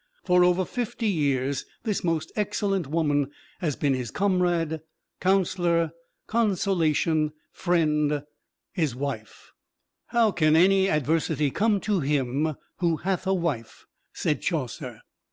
For over fifty years this most excellent woman has been his comrade, counselor, consolation, friend his wife. "How can any adversity come to him who hath a wife?" said Chaucer.